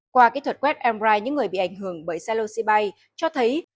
qua kỹ thuật quét mri những người bị ảnh hưởng bởi psilocybe cho thấy